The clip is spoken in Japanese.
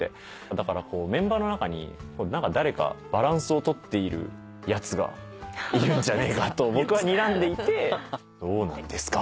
だからメンバーの中に誰かバランスを取っているやつがいるんじゃねえかと僕はにらんでいてどうなんですか？